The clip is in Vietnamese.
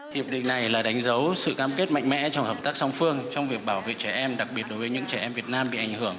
hiệp định này là đánh dấu sự cam kết mạnh mẽ trong hợp tác song phương trong việc bảo vệ trẻ em đặc biệt đối với những trẻ em việt nam bị ảnh hưởng